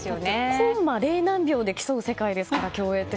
コンマ０何秒で競う世界ですから競泳って。